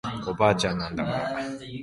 おばあちゃんなんだから